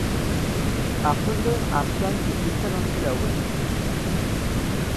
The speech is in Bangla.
আন্দখয় আফগান তুর্কিস্তান অঞ্চলে অবস্থিত।